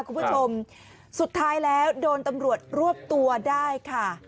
คุณผู้ชมสุดท้ายแล้วโดนตำรวจรวบตัวได้ค่ะ